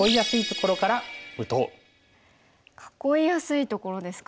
囲いやすいところですか。